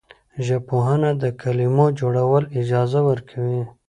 ژبپوهنه د کلمو جوړول اجازه ورکوي.